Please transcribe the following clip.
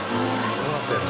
どうなってるの？